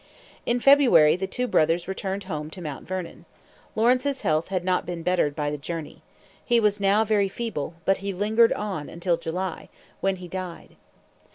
In February the two brothers returned home to Mount Vernon. Lawrence's health had not been bettered by the journey. He was now very feeble; but he lingered on until July, when he died.